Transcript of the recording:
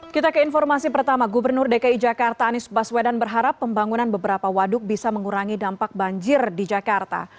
kita ke informasi pertama gubernur dki jakarta anies baswedan berharap pembangunan beberapa waduk bisa mengurangi dampak banjir di jakarta